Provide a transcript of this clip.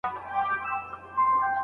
ایا بهرني سوداګر تور ممیز صادروي؟